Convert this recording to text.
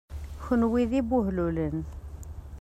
Kenwi d ibehlulen!